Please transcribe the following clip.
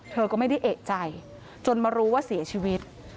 เธอก็ไม่ได้เอกใจจนมารู้ว่าเสียชีวิต